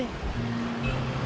kamu bilang udah selesai